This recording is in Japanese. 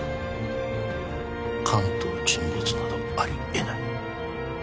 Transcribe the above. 関東沈没などありえない